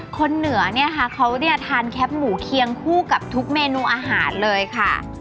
เหนือเนี่ยค่ะเขาเนี่ยทานแคปหมูเคียงคู่กับทุกเมนูอาหารเลยค่ะ